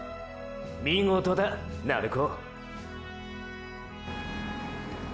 見事だ鳴子！！